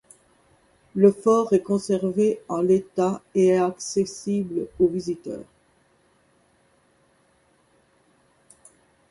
Le fort est conservé en l'état et est accessible aux visiteurs.